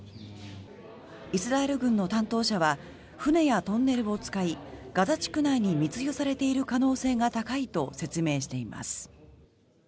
イスラエル軍の担当者は船やトンネルを使いガザ地区内に密輸されている可能性が高いと説明しています。